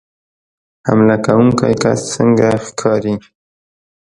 حمله کوونکی کس څنګه ښکاري